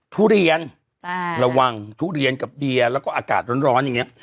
ทุเรียนระวังทุเรียนกับเบียร์แล้วก็อากาศร้อนอย่างนี้